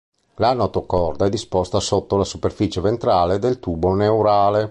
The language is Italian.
La notocorda è disposta sotto la superficie ventrale del tubo neurale.